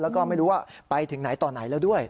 แล้วก็ไม่รู้ว่าไปถึงไหนต่อไหนแล้วด้วย